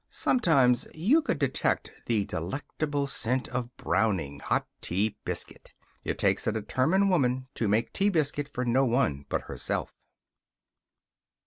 Sometimes you could detect the delectable scent of browning, hot tea biscuit. It takes a determined woman to make tea biscuit for no one but herself.